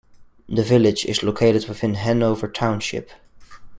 The village is located within Hanover Township.